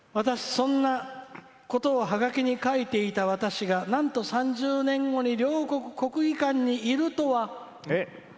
「そんなことをハガキに書いていた私がなんと３０年後に両国国技館にいるとは！